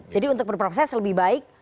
jadi untuk berproses lebih baik